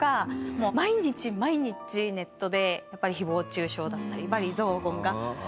もう毎日毎日ネットでやっぱり誹謗中傷だったり罵詈雑言が届いて。